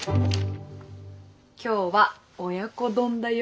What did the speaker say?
今日は親子丼だよ。